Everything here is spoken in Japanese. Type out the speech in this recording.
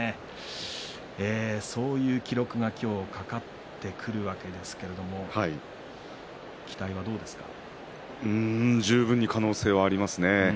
そういう記録が今日懸かってくるわけですけれども十分に可能性がありますね。